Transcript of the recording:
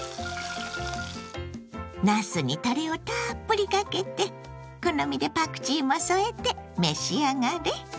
なすにたれをたっぷりかけて好みでパクチーも添えて召し上がれ！